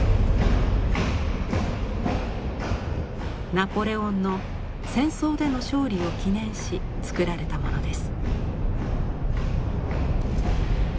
ナポレオンの戦争での勝利を記念しつくられたものです。